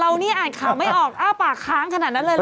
นี่อ่านข่าวไม่ออกอ้าปากค้างขนาดนั้นเลยเหรอ